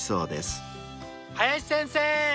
林先生